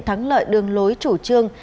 thắng lợi đường lối chủ trương